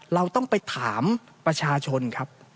เราต้องไปถามประชาชนครับ